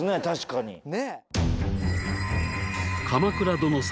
確かに。